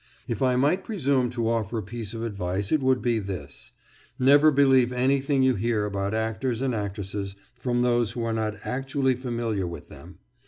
If I might presume to offer a piece of advice, it would be this: Never believe anything you hear about actors and actresses from those who are not actually familiar with them.